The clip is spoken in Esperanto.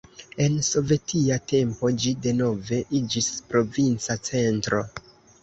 En sovetia tempo ĝi denove iĝis provinca centro.